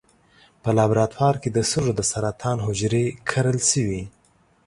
په لابراتوار کې د سږو د سرطان حجرې کرل شوي.